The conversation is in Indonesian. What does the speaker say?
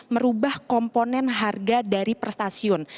merubah komponen harga dari per stasiun